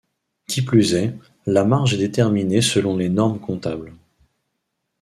Qui plus est, la marge est déterminée selon les normes comptables.